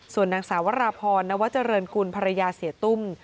ส่วนนางสาวราพรนวเจริญกุลภรรยาเสียตุ้ม